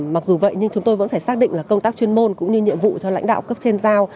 mặc dù vậy nhưng chúng tôi vẫn phải xác định là công tác chuyên môn cũng như nhiệm vụ cho lãnh đạo cấp trên giao